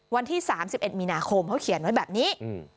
วันที่สามสิบเอ็ดมีนาคมเขาเขียนไว้แบบนี้